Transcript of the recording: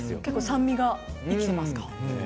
酸味が生きていますか。